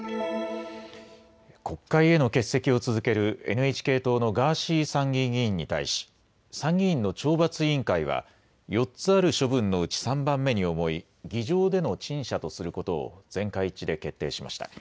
国会への欠席を続けるＮＨＫ党のガーシー参議院議員に対し参議院の懲罰委員会は４つある処分のうち３番目に重い議場での陳謝とすることを全会一致で決定しました。